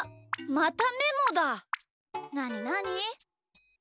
なになに？